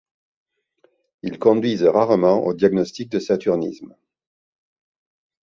Ils conduisent rarement au diagnostic de saturnisme.